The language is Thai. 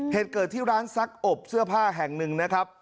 เหตุเกิดที่ร้านซักอบเสื้อผ้าแห่งหนึ่งนะครับ